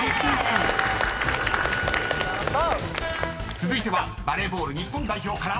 ［続いてはバレーボール日本代表から］